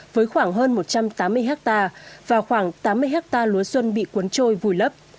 với khoảng hơn một trăm tám mươi hectare và khoảng tám mươi hectare lúa xuân bị cuốn trôi vùi lấp